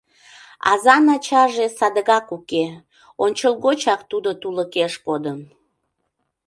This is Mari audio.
Азан ачаже садыгак уке: ончылгочак тудо тулыкеш кодын...